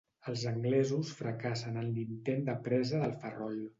Els anglesos fracassen en l'intent de presa de Ferrol.